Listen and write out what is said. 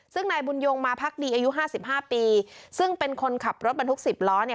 ซึ่งนายบุญยงมาพักดีอายุห้าสิบห้าปีซึ่งเป็นคนขับรถบรรทุก๑๐ล้อเนี่ย